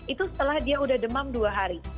itu setelah dia udah demam dua hari